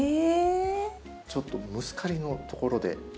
ちょっとムスカリのところで。